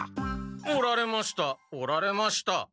おられましたおられました。